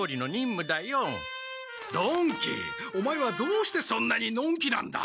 オマエはどうしてそんなにのんきなんだ！？